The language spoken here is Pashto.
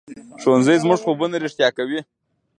ښوونځی زموږ خوبونه رښتیا کوي